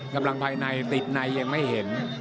กำลังภายในติดในยังไม่เห็น